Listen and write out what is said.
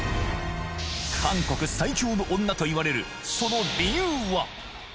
韓国最恐の女といわれるその理由は？